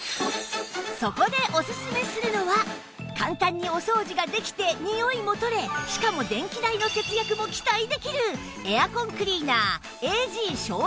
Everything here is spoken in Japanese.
そこでおすすめするのは簡単にお掃除ができてにおいも取れしかも電気代の節約も期待できる